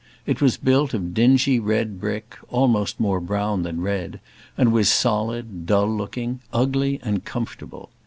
It was built of dingy red brick almost more brown than red and was solid, dull looking, ugly and comfortable.